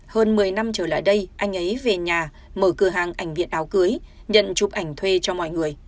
hơn một mươi năm trở lại đây anh ấy về nhà mở cửa hàng ảnh viện áo cưới nhận chụp ảnh thuê cho mọi người